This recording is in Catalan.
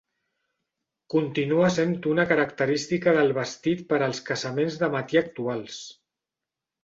Continua sent una característica del vestit per als casaments de matí actuals.